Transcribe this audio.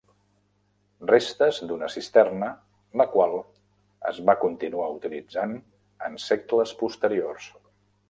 Restes d'una cisterna, la qual es va continuar utilitzant en segles posteriors.